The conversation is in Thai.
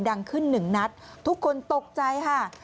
ดังขึ้นหนึ่งนัดทุกคนตกใจค่ะ